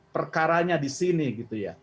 perkaranya di sini gitu ya